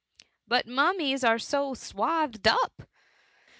^ But mummies are so swathed up.